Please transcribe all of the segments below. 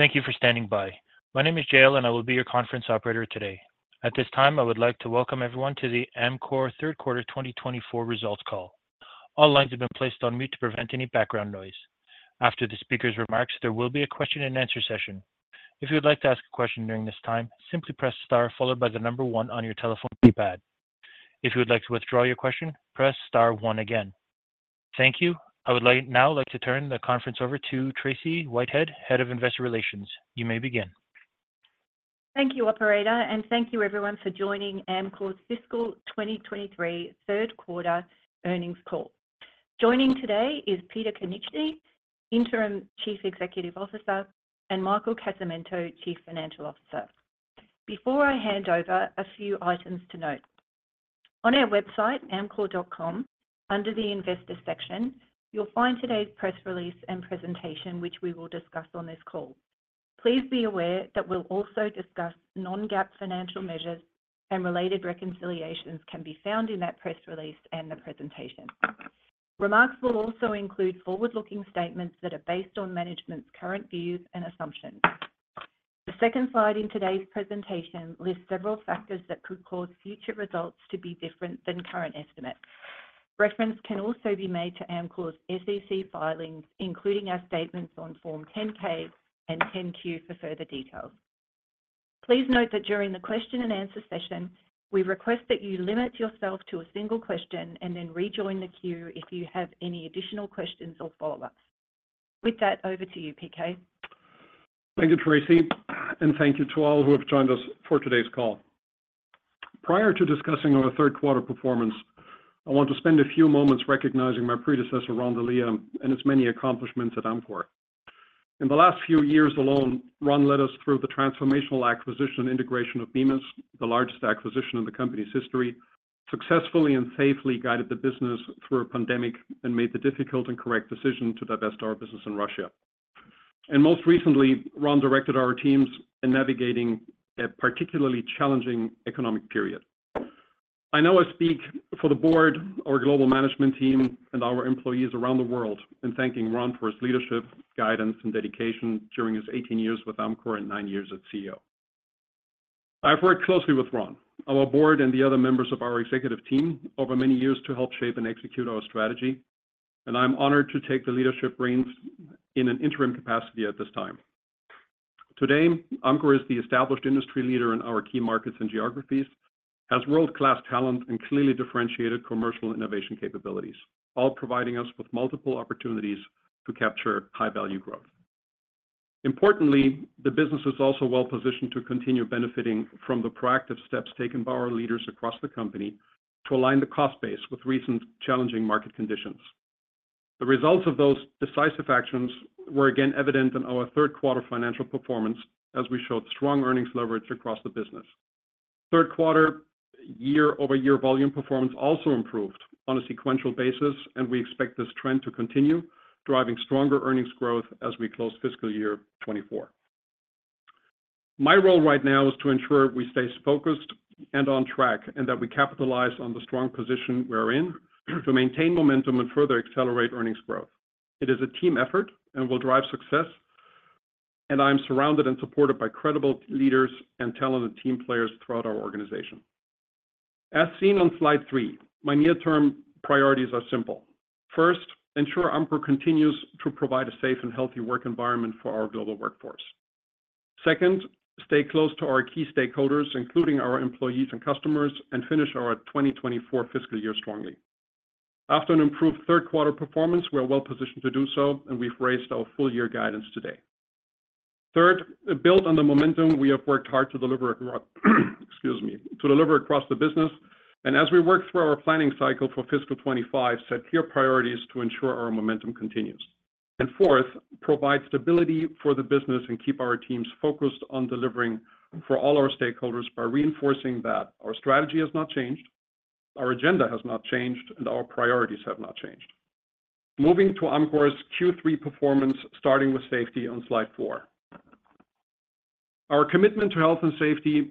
Thank you for standing by. My name is Jael, and I will be your conference operator today. At this time, I would like to welcome everyone to the Amcor third quarter 2024 results call. All lines have been placed on mute to prevent any background noise. After the speaker's remarks, there will be a question-and-answer session. If you would like to ask a question during this time, simply press star followed by the number one on your telephone keypad. If you would like to withdraw your question, press star one again. Thank you. I would now like to turn the conference over to Tracey Whitehead, Head of Investor Relations. You may begin. Thank you, Operator, and thank you, everyone, for joining Amcor's fiscal 2024 third quarter earnings call. Joining today is Peter Konieczny, Interim Chief Executive Officer, and Michael Casamento, Chief Financial Officer. Before I hand over, a few items to note. On our website, amcor.com, under the Investor section, you'll find today's press release and presentation, which we will discuss on this call. Please be aware that we'll also discuss non-GAAP financial measures, and related reconciliations can be found in that press release and the presentation. Remarks will also include forward-looking statements that are based on management's current views and assumptions. The second slide in today's presentation lists several factors that could cause future results to be different than current estimates. Reference can also be made to Amcor's SEC filings, including our statements on Form 10-K and 10-Q for further details. Please note that during the question-and-answer session, we request that you limit yourself to a single question and then rejoin the queue if you have any additional questions or follow-ups. With that, over to you, PK. Thank you, Tracey, and thank you to all who have joined us for today's call. Prior to discussing our third quarter performance, I want to spend a few moments recognizing my predecessor, Ron Delia, and his many accomplishments at Amcor. In the last few years alone, Ron led us through the transformational acquisition and integration of Bemis, the largest acquisition in the company's history, successfully and safely guided the business through a pandemic and made the difficult and correct decision to divest our business in Russia. Most recently, Ron directed our teams in navigating a particularly challenging economic period. I now speak for the board, our global management team, and our employees around the world in thanking Ron for his leadership, guidance, and dedication during his 18 years with Amcor and nine years as CEO. I have worked closely with Ron, our board, and the other members of our executive team over many years to help shape and execute our strategy, and I'm honored to take the leadership reins in an interim capacity at this time. Today, Amcor is the established industry leader in our key markets and geographies, has world-class talent, and clearly differentiated commercial innovation capabilities, all providing us with multiple opportunities to capture high-value growth. Importantly, the business is also well-positioned to continue benefiting from the proactive steps taken by our leaders across the company to align the cost base with recent challenging market conditions. The results of those decisive actions were, again, evident in our third quarter financial performance, as we showed strong earnings leverage across the business. Third quarter year-over-year volume performance also improved on a sequential basis, and we expect this trend to continue, driving stronger earnings growth as we close fiscal year 2024. My role right now is to ensure we stay focused and on track and that we capitalize on the strong position we're in to maintain momentum and further accelerate earnings growth. It is a team effort and will drive success, and I am surrounded and supported by credible leaders and talented team players throughout our organization. As seen on slide three, my near-term priorities are simple. First, ensure Amcor continues to provide a safe and healthy work environment for our global workforce. Second, stay close to our key stakeholders, including our employees and customers, and finish our 2024 fiscal year strongly. After an improved third quarter performance, we are well-positioned to do so, and we've raised our full-year guidance today. Third, build on the momentum we have worked hard to deliver across, excuse me, to deliver across the business, and as we work through our planning cycle for fiscal 2025, set clear priorities to ensure our momentum continues. And fourth, provide stability for the business and keep our teams focused on delivering for all our stakeholders by reinforcing that our strategy has not changed, our agenda has not changed, and our priorities have not changed. Moving to Amcor's Q3 performance, starting with safety on slide four. Our commitment to health and safety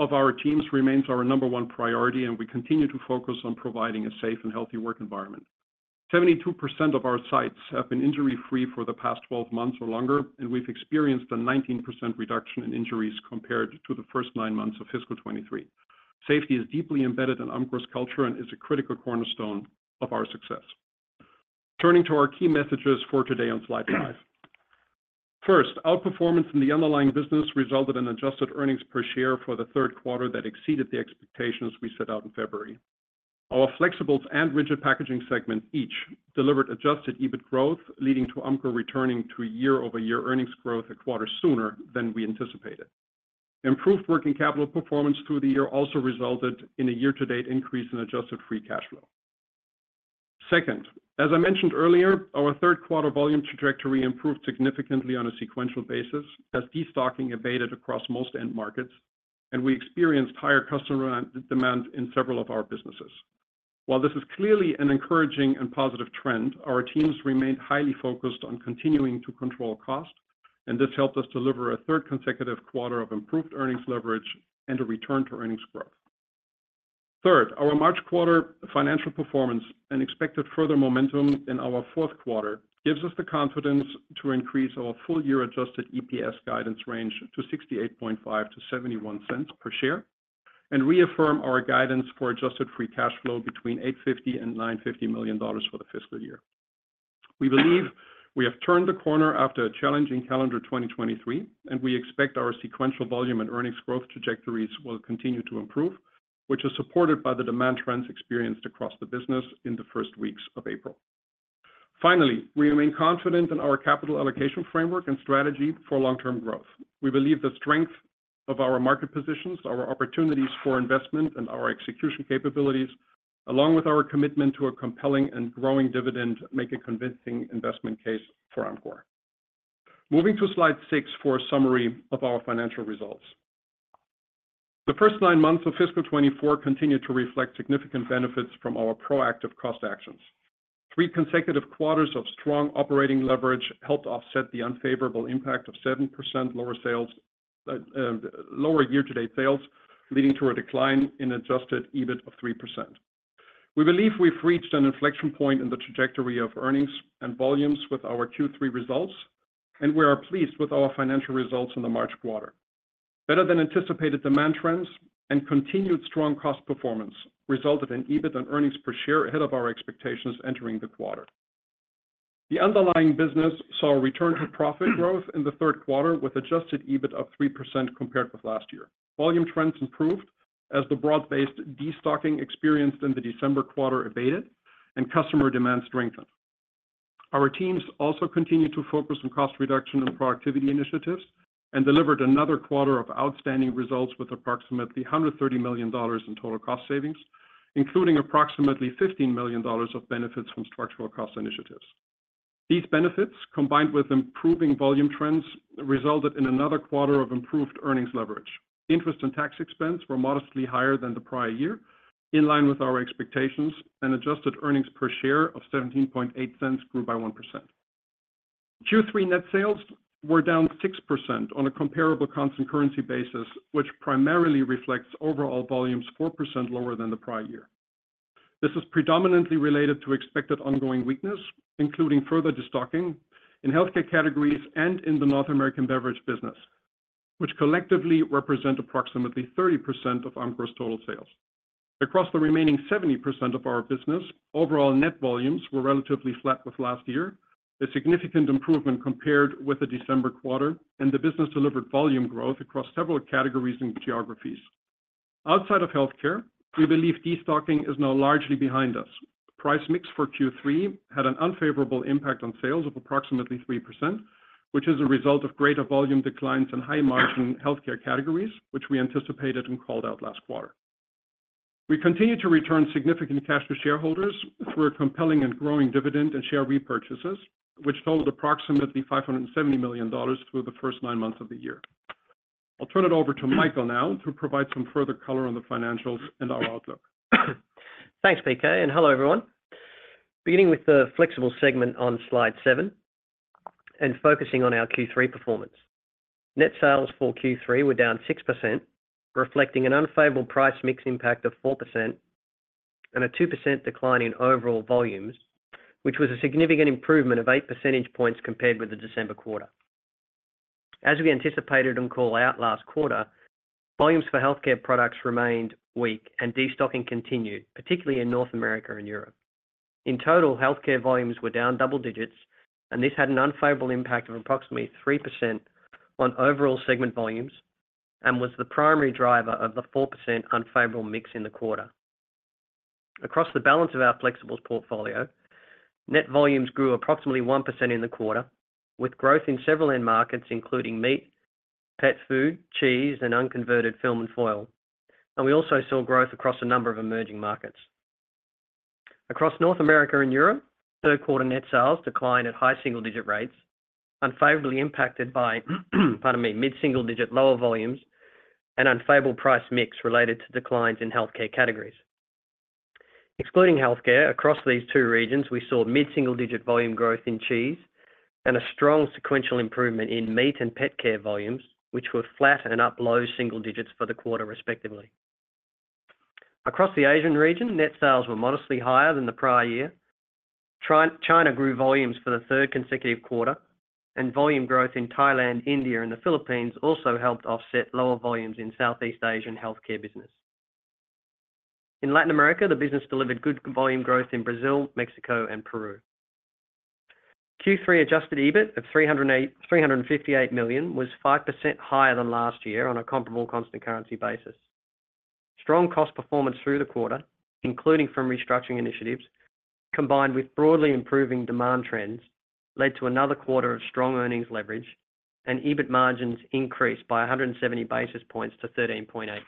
of our teams remains our number one priority, and we continue to focus on providing a safe and healthy work environment. 72% of our sites have been injury-free for the past 12 months or longer, and we've experienced a 19% reduction in injuries compared to the first nine months of fiscal 2023. Safety is deeply embedded in Amcor's culture and is a critical cornerstone of our success. Turning to our key messages for today on slide five. First, outperformance in the underlying business resulted in adjusted earnings per share for the third quarter that exceeded the expectations we set out in February. Our Flexibles and Rigid Packaging segment each delivered adjusted EBIT growth, leading to Amcor returning to year-over-year earnings growth a quarter sooner than we anticipated. Improved working capital performance through the year also resulted in a year-to-date increase in adjusted free cash flow. Second, as I mentioned earlier, our third quarter volume trajectory improved significantly on a sequential basis as destocking abated across most end markets, and we experienced higher customer demand in several of our businesses. While this is clearly an encouraging and positive trend, our teams remained highly focused on continuing to control cost, and this helped us deliver a third consecutive quarter of improved earnings leverage and a return to earnings growth. Third, our March quarter financial performance and expected further momentum in our fourth quarter gives us the confidence to increase our full-year adjusted EPS guidance range to $0.685-$0.71 per share and reaffirm our guidance for adjusted free cash flow between $850 million-$950 million for the fiscal year. We believe we have turned the corner after a challenging calendar 2023, and we expect our sequential volume and earnings growth trajectories will continue to improve, which is supported by the demand trends experienced across the business in the first weeks of April. Finally, we remain confident in our capital allocation framework and strategy for long-term growth. We believe the strength of our market positions, our opportunities for investment, and our execution capabilities, along with our commitment to a compelling and growing dividend, make a convincing investment case for Amcor. Moving to slide six for a summary of our financial results. The first nine months of fiscal 2024 continued to reflect significant benefits from our proactive cost actions. Three consecutive quarters of strong operating leverage helped offset the unfavorable impact of 7% lower sales, lower year-to-date sales, leading to a decline in adjusted EBIT of 3%. We believe we've reached an inflection point in the trajectory of earnings and volumes with our Q3 results, and we are pleased with our financial results in the March quarter. Better-than-anticipated demand trends and continued strong cost performance resulted in EBIT and earnings per share ahead of our expectations entering the quarter. The underlying business saw return-to-profit growth in the third quarter with adjusted EBIT of 3% compared with last year. Volume trends improved as the broad-based destocking experienced in the December quarter abated and customer demand strengthened. Our teams also continued to focus on cost reduction and productivity initiatives and delivered another quarter of outstanding results with approximately $130 million in total cost savings, including approximately $15 million of benefits from structural cost initiatives. These benefits, combined with improving volume trends, resulted in another quarter of improved earnings leverage. Interest and tax expense were modestly higher than the prior year, in line with our expectations, and adjusted earnings per share of $0.178 grew by 1%. Q3 net sales were down 6% on a comparable constant currency basis, which primarily reflects overall volumes 4% lower than the prior year. This is predominantly related to expected ongoing weakness, including further destocking in healthcare categories and in the North American beverage business, which collectively represent approximately 30% of Amcor's total sales. Across the remaining 70% of our business, overall net volumes were relatively flat with last year, a significant improvement compared with the December quarter, and the business delivered volume growth across several categories and geographies. Outside of healthcare, we believe destocking is now largely behind us. Price mix for Q3 had an unfavorable impact on sales of approximately 3%, which is a result of greater volume declines in high-margin healthcare categories, which we anticipated and called out last quarter. We continue to return significant cash to shareholders through a compelling and growing dividend and share repurchases, which totaled approximately $570 million through the first nine months of the year. I'll turn it over to Michael now to provide some further color on the financials and our outlook. Thanks, PK, and hello, everyone. Beginning with the Flexibles segment on slide seven and focusing on our Q3 performance. Net sales for Q3 were down 6%, reflecting an unfavorable price mix impact of 4% and a 2% decline in overall volumes, which was a significant improvement of 8 percentage points compared with the December quarter. As we anticipated and called out last quarter, volumes for healthcare products remained weak, and destocking continued, particularly in North America and Europe. In total, healthcare volumes were down double digits, and this had an unfavorable impact of approximately 3% on overall segment volumes and was the primary driver of the 4% unfavorable mix in the quarter. Across the balance of our Flexibles portfolio, net volumes grew approximately 1% in the quarter, with growth in several end markets, including meat, pet food, cheese, and unconverted film and foil, and we also saw growth across a number of emerging markets. Across North America and Europe, third quarter net sales declined at high single-digit rates, unfavorably impacted by, pardon me, mid-single-digit lower volumes and unfavorable price mix related to declines in healthcare categories. Excluding healthcare, across these two regions, we saw mid-single-digit volume growth in cheese and a strong sequential improvement in meat and pet care volumes, which were flat and up low single digits for the quarter, respectively. Across the Asian region, net sales were modestly higher than the prior year. China grew volumes for the third consecutive quarter, and volume growth in Thailand, India, and the Philippines also helped offset lower volumes in Southeast Asian healthcare business. In Latin America, the business delivered good volume growth in Brazil, Mexico, and Peru. Q3 adjusted EBIT of $358 million was 5% higher than last year on a comparable constant currency basis. Strong cost performance through the quarter, including from restructuring initiatives, combined with broadly improving demand trends, led to another quarter of strong earnings leverage and EBIT margins increased by 170 basis points to 13.8%.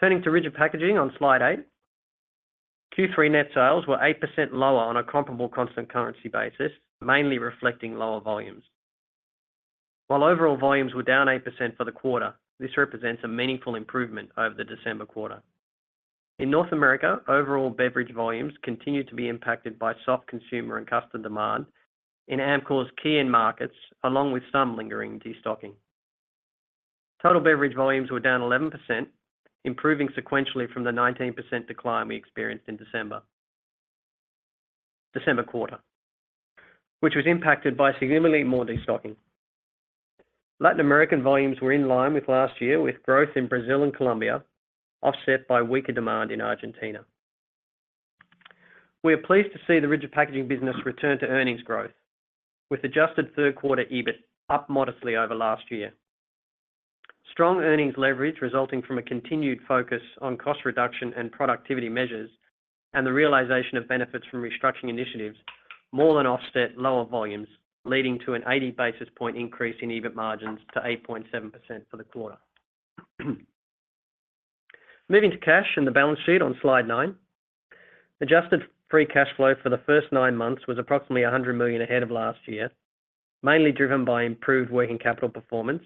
Turning to Rigid Packaging on slide eight, Q3 net sales were 8% lower on a comparable constant currency basis, mainly reflecting lower volumes. While overall volumes were down 8% for the quarter, this represents a meaningful improvement over the December quarter. In North America, overall beverage volumes continued to be impacted by soft consumer and custom demand in Amcor's key end markets, along with some lingering destocking. Total beverage volumes were down 11%, improving sequentially from the 19% decline we experienced in December quarter, which was impacted by significantly more destocking. Latin American volumes were in line with last year, with growth in Brazil and Colombia offset by weaker demand in Argentina. We are pleased to see the Rigid Packaging business return to earnings growth, with Adjusted third quarter EBIT up modestly over last year. Strong earnings leverage resulting from a continued focus on cost reduction and productivity measures and the realization of benefits from restructuring initiatives more than offset lower volumes, leading to an 80 basis points increase in EBIT margins to 8.7% for the quarter. Moving to cash and the balance sheet on slide nine, Adjusted Free Cash Flow for the first nine months was approximately $100 million ahead of last year, mainly driven by improved working capital performance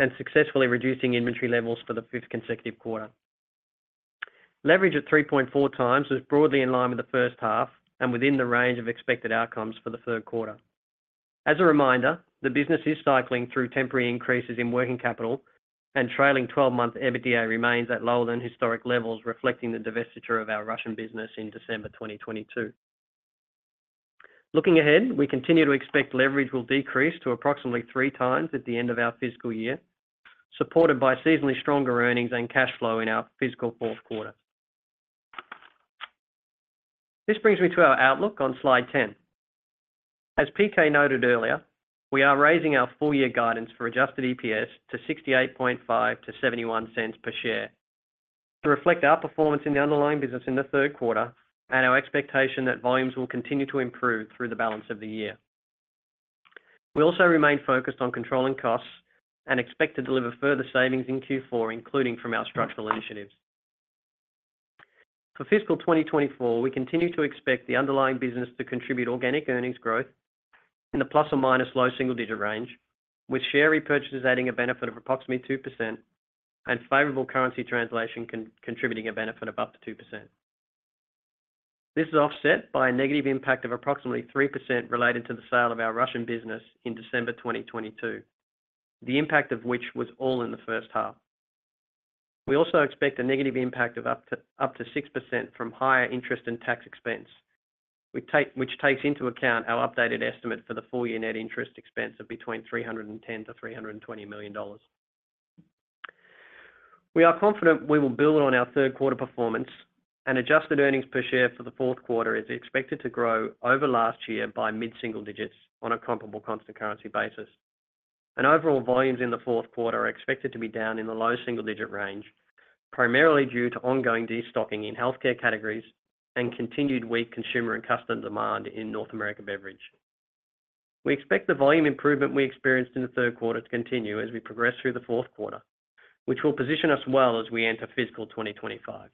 and successfully reducing inventory levels for the fifth consecutive quarter. Leverage at 3.4x was broadly in line with the first half and within the range of expected outcomes for the third quarter. As a reminder, the business is cycling through temporary increases in working capital, and trailing 12-month EBITDA remains at lower than historic levels, reflecting the divestiture of our Russian business in December 2022. Looking ahead, we continue to expect leverage will decrease to approximately 3x at the end of our fiscal year, supported by seasonally stronger earnings and cash flow in our fiscal fourth quarter. This brings me to our outlook on slide 10. As PK noted earlier, we are raising our full-year guidance for adjusted EPS to $0.685-$0.71 per share to reflect our performance in the underlying business in the third quarter and our expectation that volumes will continue to improve through the balance of the year. We also remain focused on controlling costs and expect to deliver further savings in Q4, including from our structural initiatives. For fiscal 2024, we continue to expect the underlying business to contribute organic earnings growth in the ± low single-digit range, with share repurchases adding a benefit of approximately 2% and favorable currency translation contributing a benefit of up to 2%. This is offset by a negative impact of approximately 3% related to the sale of our Russian business in December 2022, the impact of which was all in the first half. We also expect a negative impact of up to 6% from higher interest and tax expense, which takes into account our updated estimate for the full-year net interest expense of between $310-$320 million. We are confident we will build on our third quarter performance, and adjusted earnings per share for the fourth quarter is expected to grow over last year by mid-single digits on a comparable constant currency basis. Overall volumes in the fourth quarter are expected to be down in the low single-digit range, primarily due to ongoing destocking in healthcare categories and continued weak consumer and custom demand in North American beverage. We expect the volume improvement we experienced in the third quarter to continue as we progress through the fourth quarter, which will position us well as we enter fiscal 2025.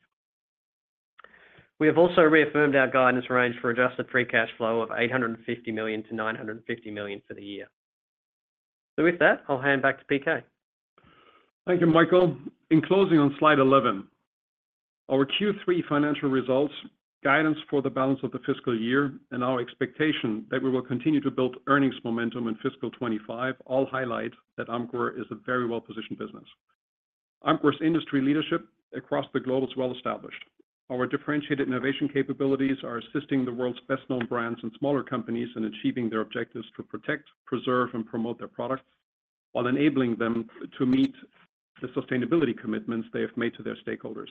We have also reaffirmed our guidance range for Adjusted Free Cash Flow of $850 million-$950 million for the year. So with that, I'll hand back to PK. Thank you, Michael. In closing on slide 11, our Q3 financial results, guidance for the balance of the fiscal year, and our expectation that we will continue to build earnings momentum in fiscal 2025 all highlight that Amcor is a very well-positioned business. Amcor's industry leadership across the globe is well-established. Our differentiated innovation capabilities are assisting the world's best-known brands and smaller companies in achieving their objectives to protect, preserve, and promote their products while enabling them to meet the sustainability commitments they have made to their stakeholders.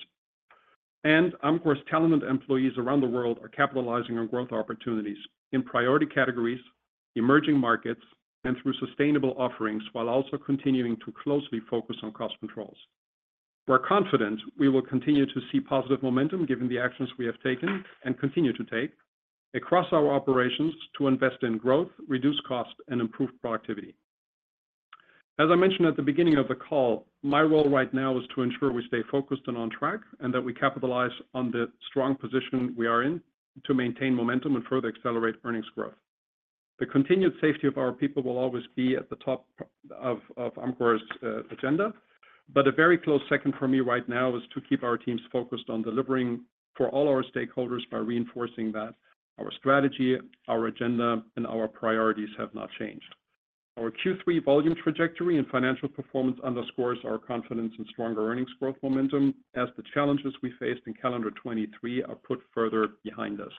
Amcor's talented employees around the world are capitalizing on growth opportunities in priority categories, emerging markets, and through sustainable offerings while also continuing to closely focus on cost controls. We are confident we will continue to see positive momentum given the actions we have taken and continue to take across our operations to invest in growth, reduce cost, and improve productivity. As I mentioned at the beginning of the call, my role right now is to ensure we stay focused and on track and that we capitalize on the strong position we are in to maintain momentum and further accelerate earnings growth. The continued safety of our people will always be at the top of Amcor's agenda, but a very close second for me right now is to keep our teams focused on delivering for all our stakeholders by reinforcing that our strategy, our agenda, and our priorities have not changed. Our Q3 volume trajectory and financial performance underscores our confidence in stronger earnings growth momentum as the challenges we faced in calendar 2023 are put further behind us.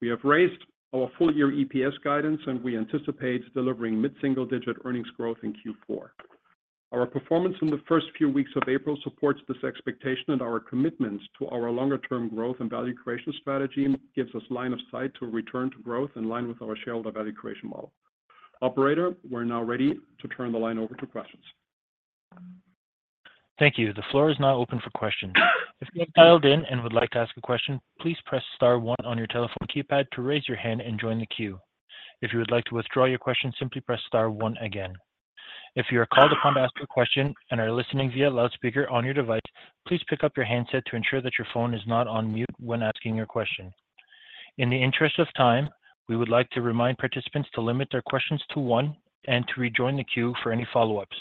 We have raised our full-year EPS guidance, and we anticipate delivering mid-single-digit earnings growth in Q4. Our performance in the first few weeks of April supports this expectation, and our commitment to our longer-term growth and value creation strategy gives us line of sight to return to growth in line with our shareholder value creation model. Operator, we're now ready to turn the line over to questions. Thank you. The floor is now open for questions. If you have dialed in and would like to ask a question, please press star one on your telephone keypad to raise your hand and join the queue. If you would like to withdraw your question, simply press star one again. If you are called upon to ask a question and are listening via loudspeaker on your device, please pick up your handset to ensure that your phone is not on mute when asking your question. In the interest of time, we would like to remind participants to limit their questions to one and to rejoin the queue for any follow-ups.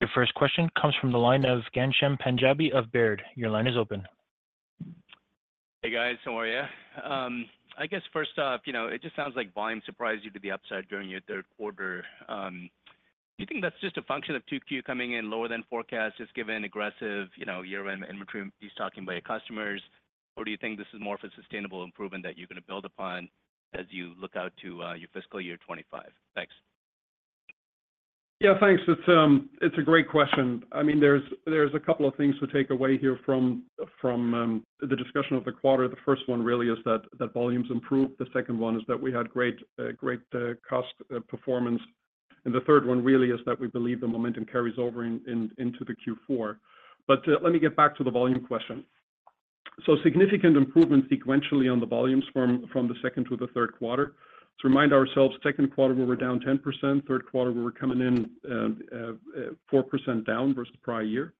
Your first question comes from the line of Ghansham Panjabi of Baird. Your line is open. Hey, guys. How are you? I guess first off, you know, it just sounds like volume surprised you to the upside during your third quarter. Do you think that's just a function of 2Q coming in lower than forecast just given aggressive, you know, year-end inventory destocking by your customers, or do you think this is more of a sustainable improvement that you're gonna build upon as you look out to your fiscal year 2025? Thanks. Yeah, thanks. It's a great question. I mean, there's a couple of things to take away here from the discussion of the quarter. The first one really is that volumes improved. The second one is that we had great cost performance. And the third one really is that we believe the momentum carries over into Q4. But let me get back to the volume question. So significant improvements sequentially on the volumes from the second to the third quarter. To remind ourselves, second quarter, we were down 10%. Third quarter, we were coming in 4% down versus prior year.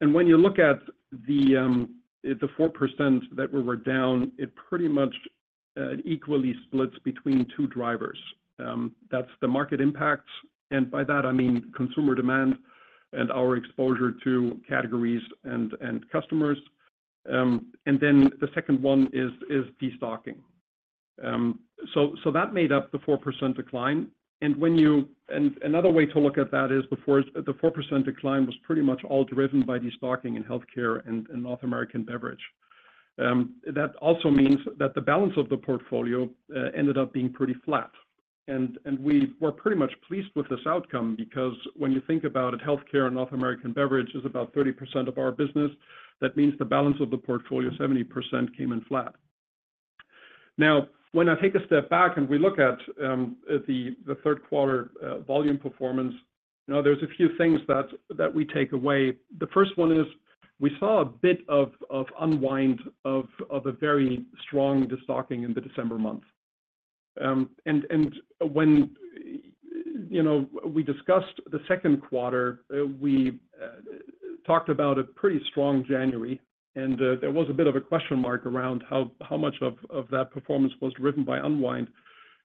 And when you look at the 4% that we were down, it pretty much equally splits between two drivers. That's the market impacts. And by that, I mean consumer demand and our exposure to categories and customers. And then the second one is destocking. So that made up the 4% decline. And another way to look at that is the 4% decline was pretty much all driven by destocking in health care and North American beverage. That also means that the balance of the portfolio ended up being pretty flat. And we were pretty much pleased with this outcome because when you think about it, health care and North American beverage is about 30% of our business. That means the balance of the portfolio, 70%, came in flat. Now, when I take a step back and we look at the third quarter volume performance, you know, there's a few things that we take away. The first one is we saw a bit of unwind of a very strong destocking in the December month. And when, you know, we discussed the second quarter, we talked about a pretty strong January. And there was a bit of a question mark around how much of that performance was driven by unwind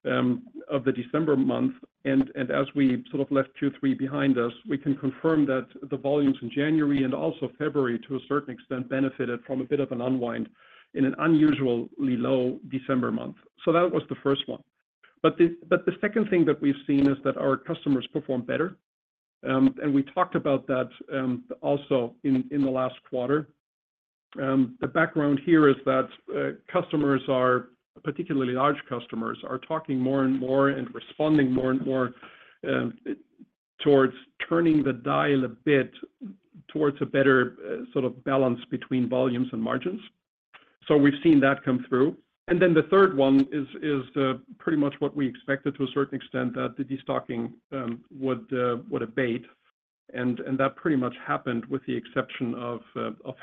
of the December month. And as we sort of left Q3 behind us, we can confirm that the volumes in January and also February, to a certain extent, benefited from a bit of an unwind in an unusually low December month. So that was the first one. But the second thing that we've seen is that our customers perform better. And we talked about that also in the last quarter. The background here is that customers, particularly large customers, are talking more and more and responding more and more towards turning the dial a bit towards a better sort of balance between volumes and margins. So we've seen that come through. And then the third one is pretty much what we expected to a certain extent that the destocking would abate. And that pretty much happened with the exception of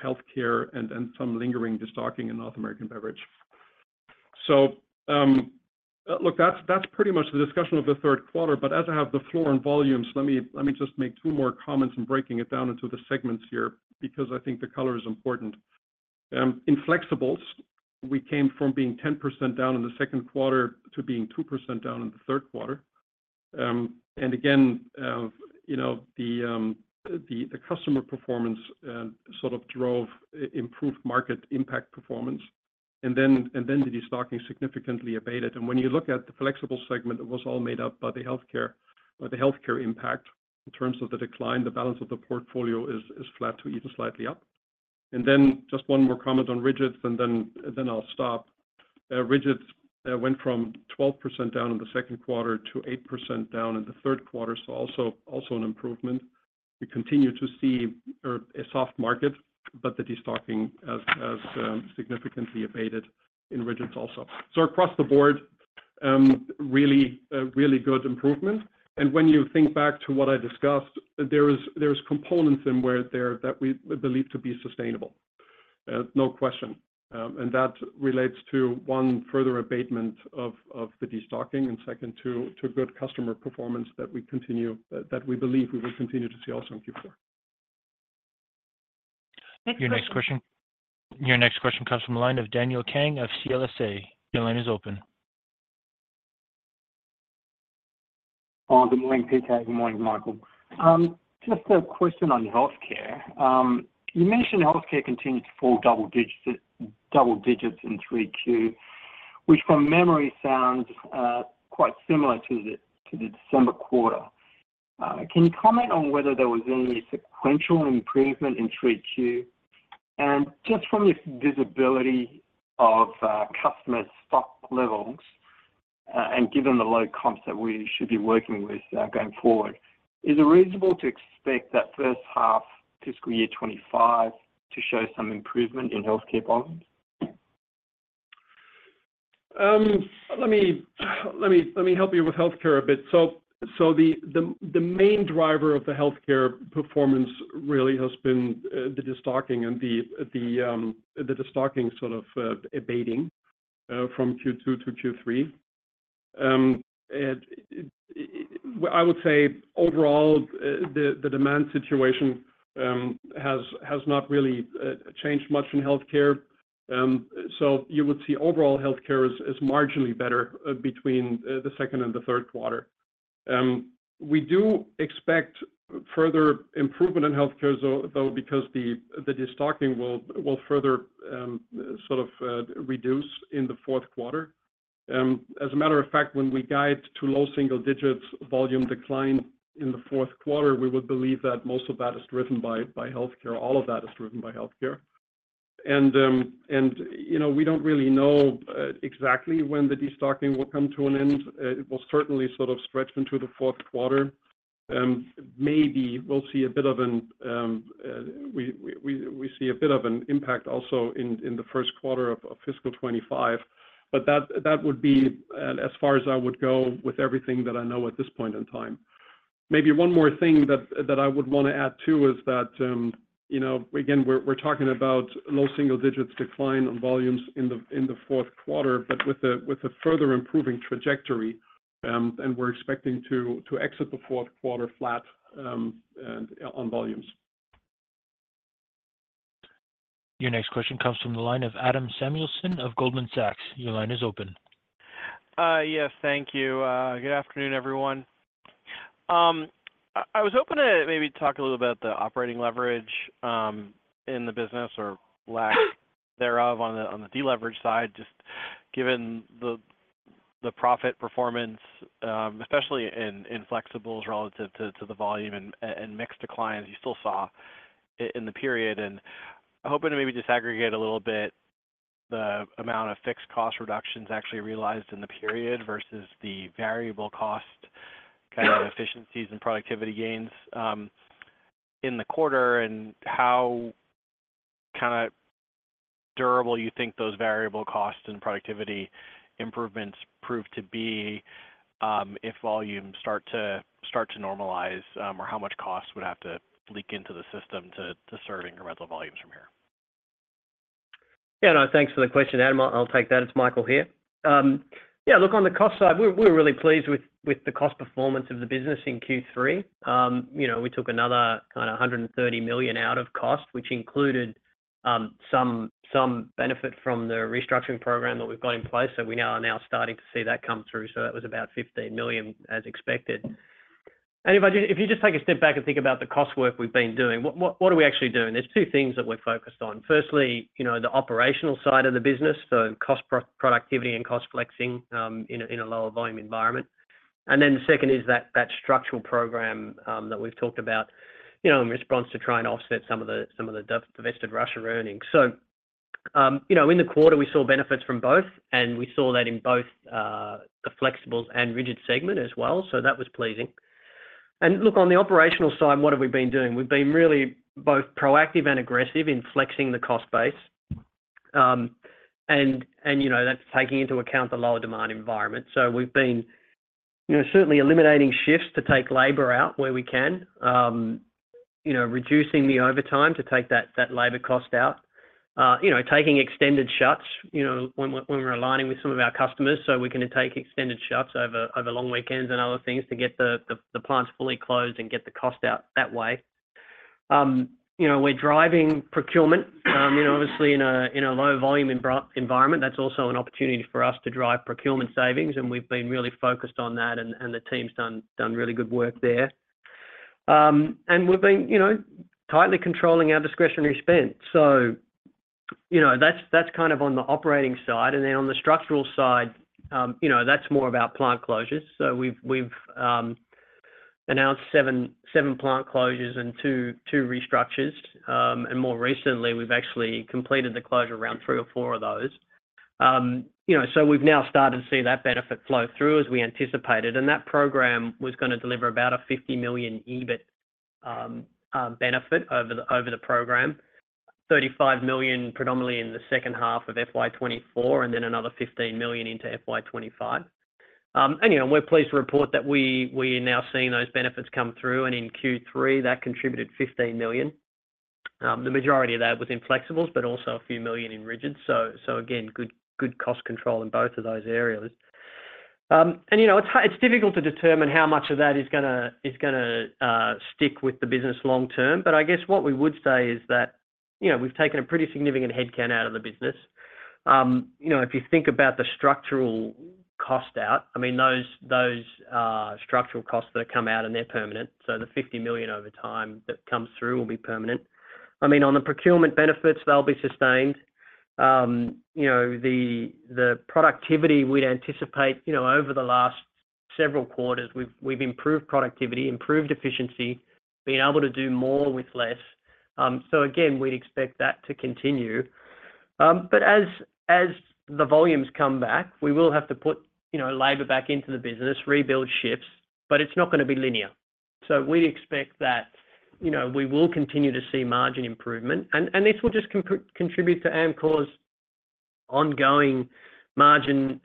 healthcare and some lingering destocking in North American beverage. So, look, that's pretty much the discussion of the third quarter. But as I have the floor on volumes, let me just make two more comments in breaking it down into the segments here because I think the color is important. In Flexibles, we came from being 10% down in the second quarter to being 2% down in the third quarter. And again, you know, the customer performance sort of drove improved market impact performance. And then the destocking significantly abated. And when you look at the Flexibles segment, it was all made up by the healthcare impact. In terms of the decline, the balance of the portfolio is flat to even slightly up. And then just one more comment on Rigids, and then I'll stop. Rigids went from 12% down in the second quarter to 8% down in the third quarter. So also an improvement. We continue to see a soft market, but the destocking has significantly abated in Rigids also. So across the board, really good improvement. And when you think back to what I discussed, there are components in there that we believe to be sustainable, no question. And that relates to one, further abatement of the destocking and second, to good customer performance that we continue, that we believe we will continue to see also in Q4. Next question. Your next question comes from the line of Daniel Kang of CLSA. Your line is open. Oh, good morning, PK. Good morning, Michael. Just a question on healthcare. You mentioned healthcare continues to fall double digits in double digits in 3Q, which from memory sounds quite similar to the to the December quarter. Can you comment on whether there was any sequential improvement in 3Q? And just from your visibility of customer stock levels, and given the low comps that we should be working with going forward, is it reasonable to expect that first half fiscal year 2025 to show some improvement in healthcare volumes? Let me help you with healthcare a bit. So, the main driver of the healthcare performance really has been the destocking and the destocking sort of abating from Q2 to Q3. I would say overall, the demand situation has not really changed much in healthcare. So you would see overall healthcare is marginally better between the second and the third quarter. We do expect further improvement in healthcare, though, because the destocking will further sort of reduce in the fourth quarter. As a matter of fact, when we guide to low single-digits volume decline in the fourth quarter, we would believe that most of that is driven by healthcare. All of that is driven by healthcare. You know, we don't really know exactly when the destocking will come to an end. It will certainly sort of stretch into the fourth quarter. Maybe we'll see a bit of an impact also in the first quarter of fiscal 2025. But that would be as far as I would go with everything that I know at this point in time. Maybe one more thing that I would wanna add too is that, you know, again, we're talking about low single-digits decline on volumes in the fourth quarter, but with a further improving trajectory, and we're expecting to exit the fourth quarter flat on volumes. Your next question comes from the line of Adam Samuelson of Goldman Sachs. Your line is open. Yes. Thank you. Good afternoon, everyone. I was hoping to maybe talk a little about the operating leverage in the business or lack thereof on the deleverage side just given the profit performance, especially in Flexibles relative to the volume and mix declines you still saw in the period. Hoping to maybe disaggregate a little bit the amount of fixed cost reductions actually realized in the period versus the variable cost kind of efficiencies and productivity gains in the quarter and how kinda durable you think those variable cost and productivity improvements prove to be, if volumes start to normalize, or how much cost would have to leak into the system to serve incremental volumes from here. Yeah. No, thanks for the question, Adam. I'll take that. It's Michael here. Yeah, look, on the cost side, we're really pleased with the cost performance of the business in Q3. You know, we took another kinda $130 million out of cost, which included some benefit from the restructuring program that we've got in place. So we now are starting to see that come through. So that was about $15 million as expected. And if you just take a step back and think about the cost work we've been doing, what are we actually doing? There's two things that we're focused on. Firstly, you know, the operational side of the business, so cost pro-productivity and cost flexing, in a lower volume environment. And then the second is that structural program that we've talked about, you know, in response to trying to offset some of the divested Russia earnings. So, you know, in the quarter, we saw benefits from both, and we saw that in both the Flexibles and Rigid segment as well. So that was pleasing. And look, on the operational side, what have we been doing? We've been really both proactive and aggressive in flexing the cost base, and you know, that's taking into account the lower demand environment. So we've been, you know, certainly eliminating shifts to take labor out where we can, you know, reducing the overtime to take that labor cost out, you know, taking extended shutdowns, you know, when we're aligning with some of our customers so we can take extended shutdowns over long weekends and other things to get the plants fully closed and get the cost out that way. You know, we're driving procurement. You know, obviously, in a low volume environment, that's also an opportunity for us to drive procurement savings. And we've been really focused on that, and the team's done really good work there. And we've been, you know, tightly controlling our discretionary spend. So, you know, that's kind of on the operating side. And then on the structural side, you know, that's more about plant closures. So we've announced seven plant closures and two restructures. And more recently, we've actually completed the closure around three or four of those. You know, so we've now started to see that benefit flow through as we anticipated. And that program was gonna deliver about a $50 million EBIT benefit over the program, $35 million predominantly in the second half of FY 2024 and then another $15 million into FY 2025. And, you know, we're pleased to report that we are now seeing those benefits come through. And in Q3, that contributed $15 million. The majority of that was in Flexibles but also a few million in Rigids. So again, good cost control in both of those areas. And, you know, it's difficult to determine how much of that is gonna stick with the business long term. But I guess what we would say is that, you know, we've taken a pretty significant headcount out of the business. You know, if you think about the structural cost out, I mean, those structural costs that come out, and they're permanent. So the $50 million over time that comes through will be permanent. I mean, on the procurement benefits, they'll be sustained. You know, the productivity we'd anticipate, you know, over the last several quarters, we've improved productivity, improved efficiency, been able to do more with less. So again, we'd expect that to continue. But as the volumes come back, we will have to put, you know, labor back into the business, rebuild shifts, but it's not gonna be linear. So we'd expect that, you know, we will continue to see margin improvement. And this will just contribute to Amcor's ongoing margin,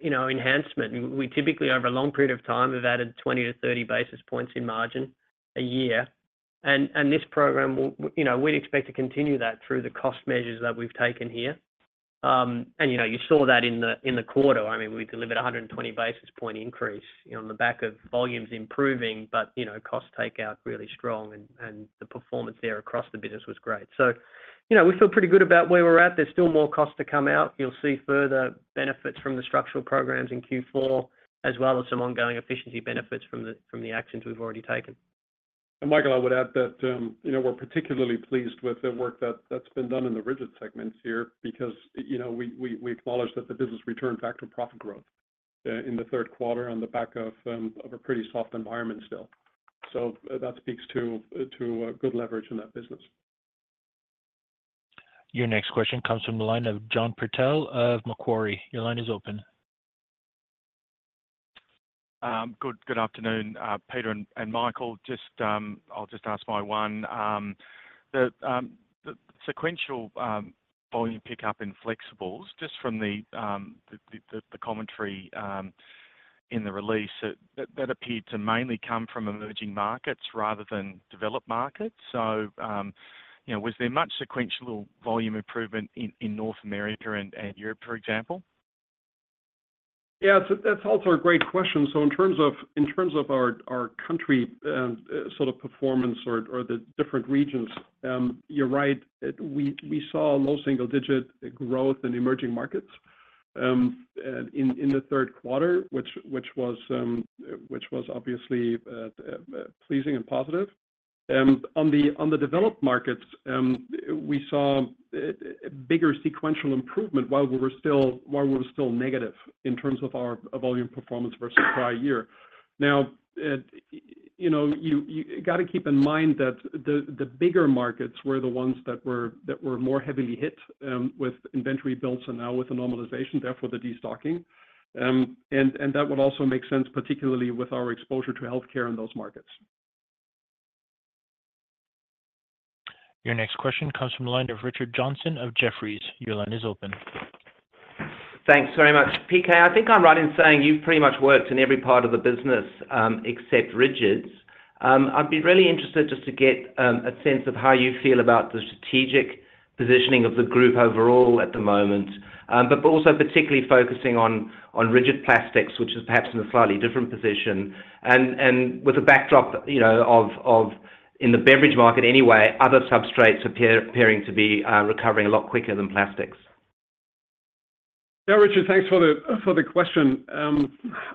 you know, enhancement. We typically, over a long period of time, have added 20-30 basis points in margin a year. And this program will, you know, we'd expect to continue that through the cost measures that we've taken here. And, you know, you saw that in the quarter. I mean, we delivered a 120 basis points increase, you know, on the back of volumes improving but, you know, cost takeout really strong and, and the performance there across the business was great. So, you know, we feel pretty good about where we're at. There's still more cost to come out. You'll see further benefits from the structural programs in Q4 as well as some ongoing efficiency benefits from the actions we've already taken. Michael, I would add that, you know, we're particularly pleased with the work that's been done in the Rigid segments here because, you know, we acknowledge that the business returned back to profit growth in the third quarter on the back of a pretty soft environment still. So, that speaks to good leverage in that business. Your next question comes from the line of John Purtell of Macquarie. Your line is open. Good afternoon, Peter and Michael. I'll just ask my one. The sequential volume pickup in Flexibles, just from the commentary in the release, that appeared to mainly come from emerging markets rather than developed markets. So, you know, was there much sequential volume improvement in North America and Europe, for example? Yeah. That's also a great question. So in terms of our country, sort of performance or the different regions, you're right. We saw low single-digit growth in emerging markets, in the third quarter, which was obviously pleasing and positive. On the developed markets, we saw a bigger sequential improvement while we were still negative in terms of our volume performance versus prior year. Now, you know, you gotta keep in mind that the bigger markets were the ones that were more heavily hit with inventory builds and now with the normalization, therefore, the destocking. And that would also make sense, particularly with our exposure to healthcare in those markets. Your next question comes from the line of Richard Johnson of Jefferies. Your line is open. Thanks very much, PK. I think I'm right in saying you've pretty much worked in every part of the business, except Rigids. I'd be really interested just to get a sense of how you feel about the strategic positioning of the group overall at the moment, but also particularly focusing on Rigid Plastics, which is perhaps in a slightly different position. With a backdrop, you know, of in the beverage market anyway, other substrates appearing to be recovering a lot quicker than plastics. Yeah, Richard, thanks for the question.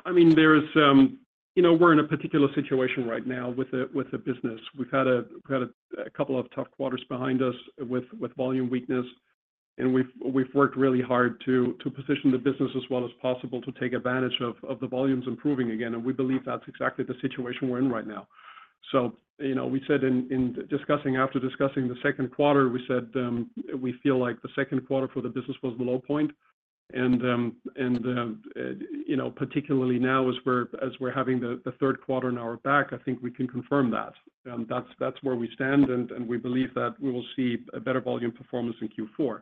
I mean, there is, you know, we're in a particular situation right now with the business. We've had a couple of tough quarters behind us with volume weakness. And we've worked really hard to position the business as well as possible to take advantage of the volumes improving again. And we believe that's exactly the situation we're in right now. So, you know, we said, in discussing after discussing the second quarter, we said we feel like the second quarter for the business was the low point. And, you know, particularly now as we're having the third quarter, now we're back, I think we can confirm that. That's where we stand. And we believe that we will see a better volume performance in Q4.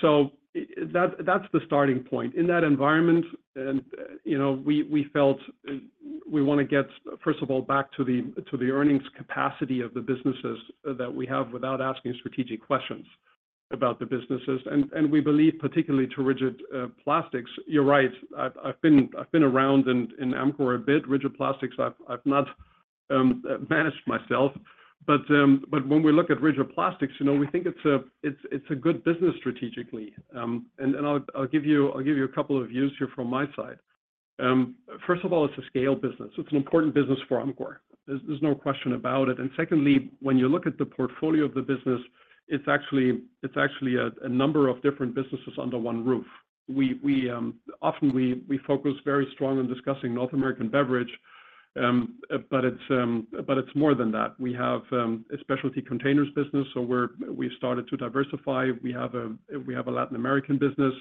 So, it's that, that's the starting point. In that environment, you know, we felt we wanna get, first of all, back to the earnings capacity of the businesses that we have without asking strategic questions about the businesses. And we believe, particularly to Rigid Plastics, you're right. I've been around in Amcor a bit. Rigid Plastics, I've not managed myself. But when we look at Rigid Plastics, you know, we think it's a good business strategically. And I'll give you a couple of views here from my side. First of all, it's a scale business. It's an important business for Amcor. There's no question about it. And secondly, when you look at the portfolio of the business, it's actually a number of different businesses under one roof. We often focus very strong on discussing North American beverage, but it's more than that. We have a specialty containers business. So we started to diversify. We have a Latin American business,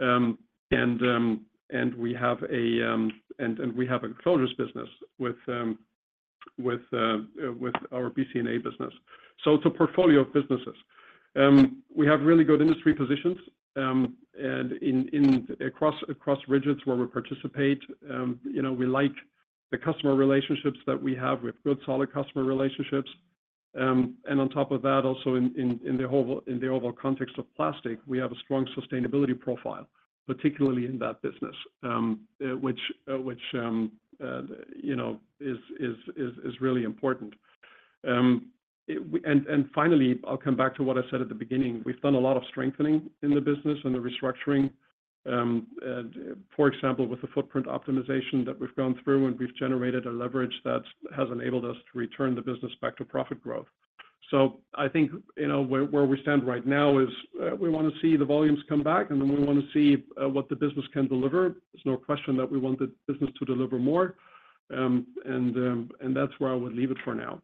and we have a closures business with our BCNA business. So it's a portfolio of businesses. We have really good industry positions, and in across Rigids where we participate, you know, we like the customer relationships that we have with good, solid customer relationships. And on top of that, also in the overall context of plastic, we have a strong sustainability profile, particularly in that business, which, you know, is really important. And finally, I'll come back to what I said at the beginning. We've done a lot of strengthening in the business and the restructuring, for example, with the footprint optimization that we've gone through, and we've generated a leverage that has enabled us to return the business back to profit growth. So I think, you know, where we stand right now is, we wanna see the volumes come back, and then we wanna see what the business can deliver. There's no question that we want the business to deliver more. And that's where I would leave it for now.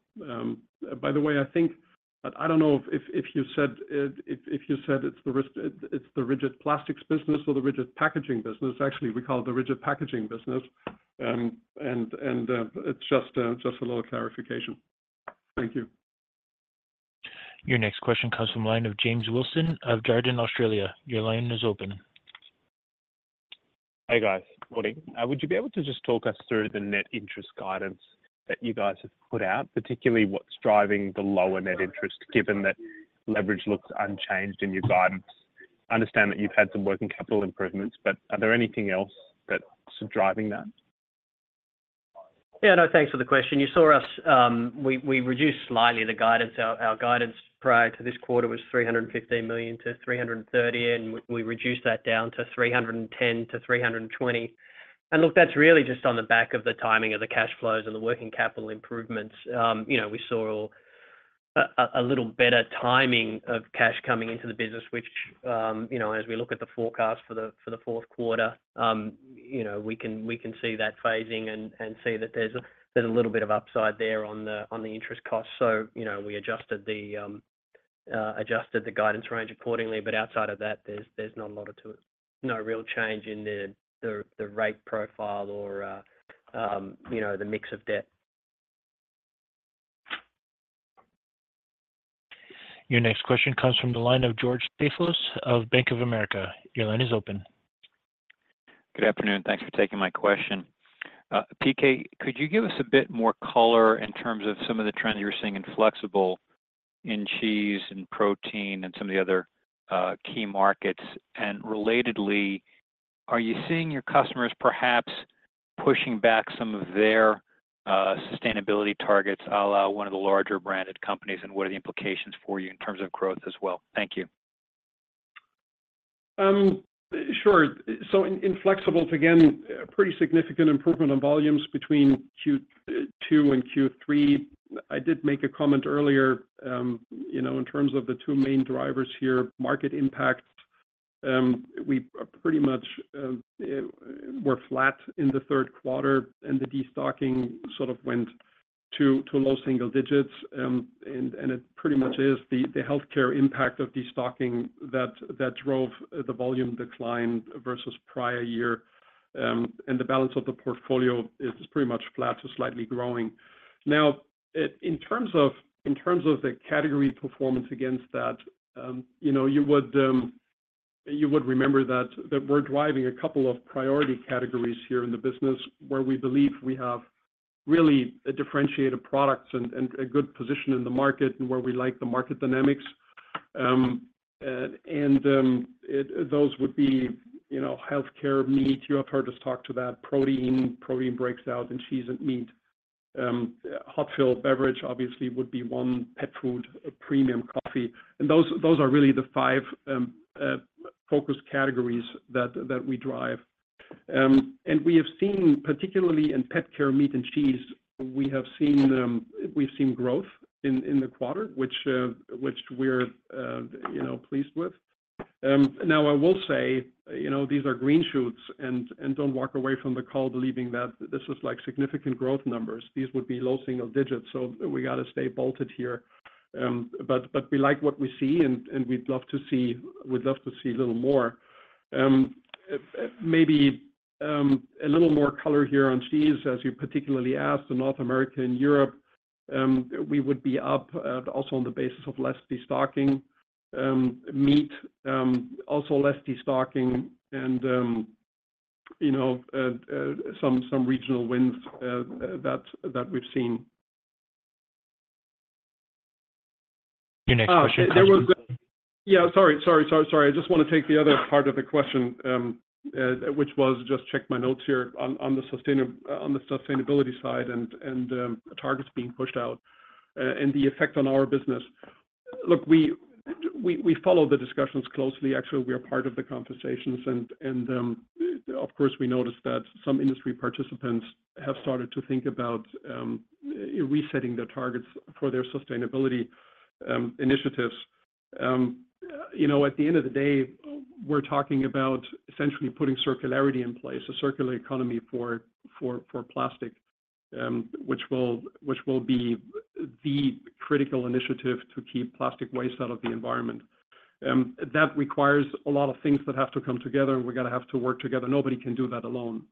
By the way, I think, but I don't know if you said it's the Rigid Plastics business or the Rigid Packaging business. Actually, we call it the Rigid Packaging business. And it's just a little clarification. Thank you. Your next question comes from the line of James Wilson of Jarden Australia. Your line is open. Hey, guys. Morning. Would you be able to just talk us through the net interest guidance that you guys have put out, particularly what's driving the lower net interest given that leverage looks unchanged in your guidance? I understand that you've had some working capital improvements, but are there anything else that's driving that? Yeah. No, thanks for the question. You saw us, we reduced slightly the guidance. Our guidance prior to this quarter was $315 million-$330 million, and we reduced that down to $310 million-$320 million. And look, that's really just on the back of the timing of the cash flows and the working capital improvements. You know, we saw a little better timing of cash coming into the business, which, you know, as we look at the forecast for the fourth quarter, you know, we can see that phasing and see that there's a little bit of upside there on the interest costs. So, you know, we adjusted the adjusted guidance range accordingly. But outside of that, there's not a lot to it, no real change in the rate profile or, you know, the mix of debt. Your next question comes from the line of George Staphos of Bank of America. Your line is open. Good afternoon. Thanks for taking my question. PK, could you give us a bit more color in terms of some of the trends you were seeing in Flexibles in cheese and protein and some of the other, key markets? And relatedly, are you seeing your customers perhaps pushing back some of their, sustainability targets à la one of the larger branded companies? And what are the implications for you in terms of growth as well? Thank you. Sure. So in Flexibles, again, a pretty significant improvement in volumes between Q2 and Q3. I did make a comment earlier, you know, in terms of the two main drivers here, market impact. We were pretty much flat in the third quarter, and the destocking sort of went to low single digits. And it pretty much is the healthcare impact of destocking that drove the volume decline versus prior year. And the balance of the portfolio is pretty much flat to slightly growing. Now, in terms of the category performance against that, you know, you would remember that we're driving a couple of priority categories here in the business where we believe we have really differentiated products and a good position in the market and where we like the market dynamics. Those would be, you know, healthcare, meat. You have heard us talk to that. Protein. Protein breaks out in cheese and meat. Hot-fill beverage, obviously, would be one. Pet food, premium coffee. And those are really the five focus categories that we drive. And we have seen, particularly in pet care, meat, and cheese, we've seen growth in the quarter, which we're, you know, pleased with. Now, I will say, you know, these are green shoots. And don't walk away from the call believing that this is, like, significant growth numbers. These would be low single digits. So we gotta stay bolted here. But we like what we see, and we'd love to see a little more. Maybe, a little more color here on cheese, as you particularly asked, in North America and Europe. We would be up, also on the basis of less destocking. Meat, also less destocking. And, you know, some, some regional wins, that, that we've seen. Your next question comes from- Yeah. Sorry. I just want to take the other part of the question, which was just check my notes here on the sustainability side and targets being pushed out, and the effect on our business. Look, we follow the discussions closely. Actually, we are part of the conversations. And, of course, we noticed that some industry participants have started to think about resetting their targets for their sustainability initiatives. You know, at the end of the day, we're talking about essentially putting circularity in place, a circular economy for plastic, which will be the critical initiative to keep plastic waste out of the environment. That requires a lot of things that have to come together, and we gotta work together. Nobody can do that alone.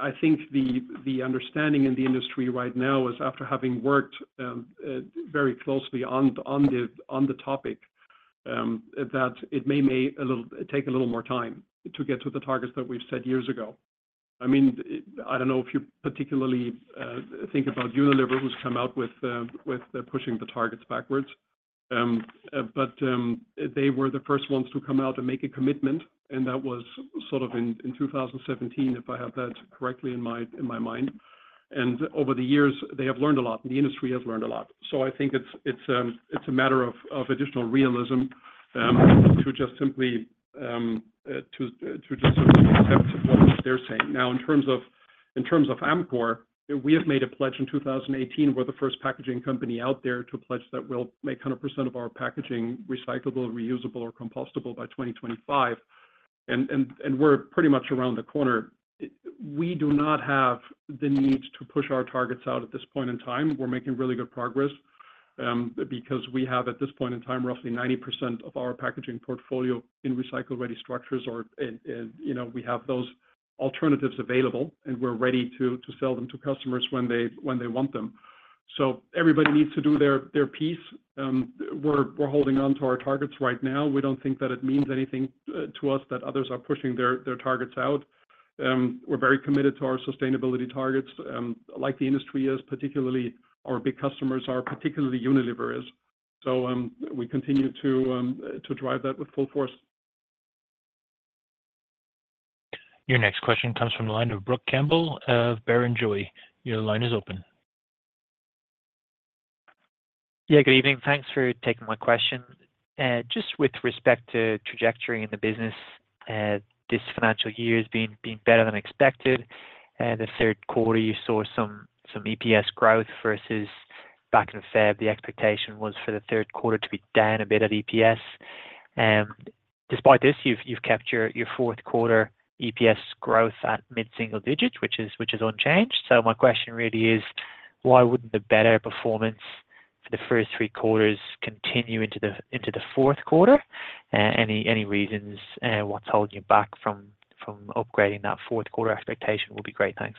I think the understanding in the industry right now is, after having worked very closely on the topic, that it may take a little more time to get to the targets that we've set years ago. I mean, I don't know if you particularly think about Unilever, who's come out with pushing the targets backwards. But they were the first ones to come out and make a commitment. And that was sort of in 2017, if I have that correctly in my mind. And over the years, they have learned a lot. And the industry has learned a lot. So I think it's a matter of additional realism, to just simply to just sort of accept what they're saying. Now, in terms of Amcor, we have made a pledge in 2018. We're the first packaging company out there to pledge that we'll make 100% of our packaging recyclable, reusable, or compostable by 2025. And we're pretty much around the corner. We do not have the need to push our targets out at this point in time. We're making really good progress, because we have, at this point in time, roughly 90% of our packaging portfolio in recycle-ready structures or, you know, we have those alternatives available, and we're ready to sell them to customers when they want them. So everybody needs to do their piece. We're holding onto our targets right now. We don't think that it means anything to us that others are pushing their targets out. We're very committed to our sustainability targets, like the industry is, particularly our big customers are, particularly Unilever is. We continue to drive that with full force. Your next question comes from the line of Brook Campbell of Barrenjoey. Your line is open. Yeah. Good evening. Thanks for taking my question. Just with respect to trajectory in the business, this financial year has been better than expected. The third quarter, you saw some EPS growth versus back in February, the expectation was for the third quarter to be down a bit at EPS. Despite this, you've kept your fourth quarter EPS growth at mid-single-digit, which is unchanged. So my question really is, why wouldn't the better performance for the first three quarters continue into the fourth quarter? Any reasons, what's holding you back from upgrading that fourth quarter expectation would be great. Thanks.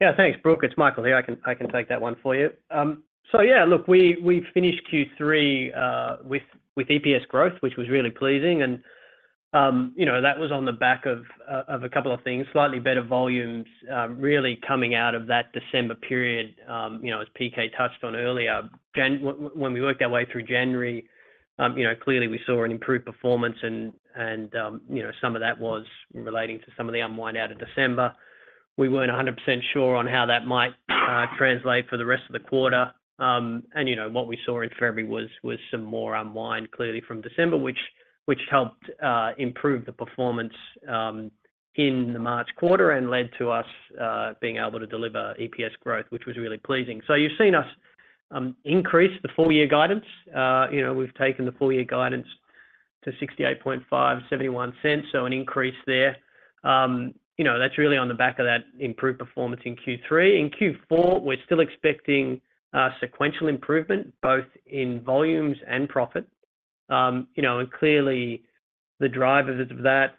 Yeah. Thanks, Brook. It's Michael here. I can take that one for you. So yeah. Look, we finished Q3 with EPS growth, which was really pleasing. And, you know, that was on the back of a couple of things, slightly better volumes, really coming out of that December period, you know, as PK touched on earlier. January, when we worked our way through January, you know, clearly, we saw an improved performance. And, you know, some of that was relating to some of the unwind out of December. We weren't 100% sure on how that might translate for the rest of the quarter. And, you know, what we saw in February was some more unwind, clearly, from December, which helped improve the performance in the March quarter and led to us being able to deliver EPS growth, which was really pleasing. So you've seen us increase the full-year guidance. You know, we've taken the full-year guidance to $0.685-$0.71, so an increase there. You know, that's really on the back of that improved performance in Q3. In Q4, we're still expecting sequential improvement both in volumes and profit. You know, and clearly, the driver of that,